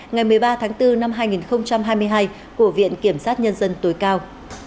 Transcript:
ngày một mươi ba tháng bốn năm hai nghìn hai mươi hai của viện kiểm sát nhân dân tối cao